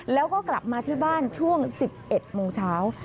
แล้วก็กลับมาที่บ้านช่วง๑๑โมงเช้า